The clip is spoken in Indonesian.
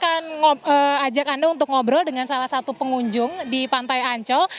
saya akan ajak anda untuk ngobrol dengan salah satu pengunjung di pantai ancol